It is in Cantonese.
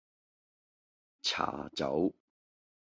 茶走